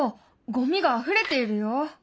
ゴミがあふれているよ！